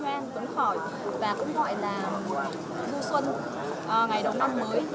cảm giác của mình thì thấy rất là hân hoan tuấn khỏi và cũng gọi là du xuân ngày đầu năm mới